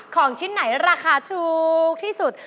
ของชิ้นไหนราคาถูกที่สุด